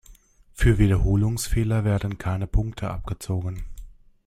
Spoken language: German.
Für Wiederholungsfehler werden keine Punkte abgezogen.